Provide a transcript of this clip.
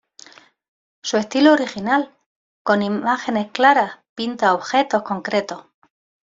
Su estilo original, con imágenes claras, pinta objetos concretos.